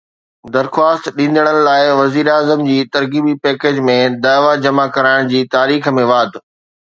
درخواست ڏيندڙن لاءِ وزيراعظم جي ترغيبي پيڪيج ۾ دعويٰ جمع ڪرائڻ جي تاريخ ۾ واڌ